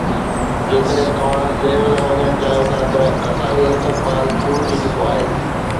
جيڪڏهن توهان سير لاءِ وڃڻ چاهيو ٿا ته اسان جو استقبال شروع ٿي چڪو آهي